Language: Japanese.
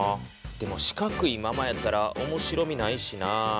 でも四角いままやったら面白みないしな。